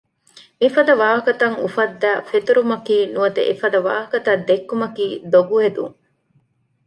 މިފަދަ ވާހަކަތައް އުފައްދައި ފެތުރުމަކީ ނުވަތަ އެފަދަ ވާހަކަތައް ދެއްކުމަކީ ދޮގުހެދުން